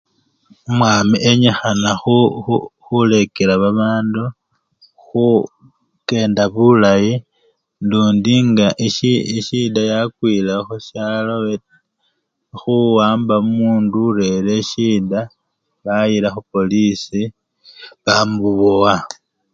Umwami enyikhana khu! khu! khulekela babandu khukenda bulayi lundi nga esyida yakwilewo khusyalo khuwamba omundu orerire esyida bayila khupolisi bamubowa.